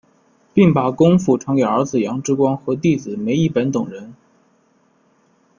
并把功夫传给儿子杨志光和弟子梅益本等人。